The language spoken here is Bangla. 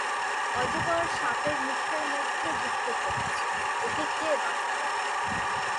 অজগর সাপের মুখের মধ্যে ঢুকতে চলেছে, একে কে বাঁচাবে?